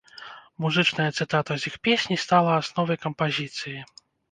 Музычная цытата з іх песні стала асновай кампазіцыі.